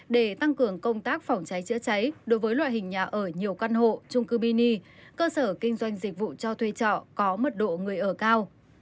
để tăng cường công tác phòng cháy chữa cháy đối với loại hình nhà ở nhiều căn hộ trung cư mini cơ sở kinh doanh dịch vụ cho thuê trọ có mật độ người ở cao